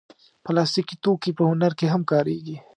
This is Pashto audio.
پلاستيکي توکي په هنر کې هم کارېږي.